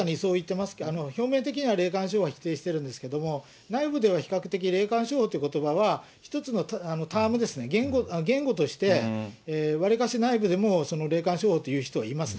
表面的には霊感商法は否定してるんですけども、内部では比較的、霊感商法ということばは、一つのタームですね、言語として、わりかし内部でも霊感商法という人はいます。